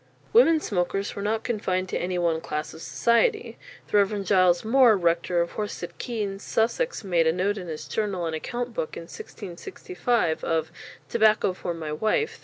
Women smokers were not confined to any one class of society. The Rev. Giles Moore, Rector of Horsted Keynes, Sussex, made a note in his journal and account book in 1665 of "Tobacco for my wyfe, 3d."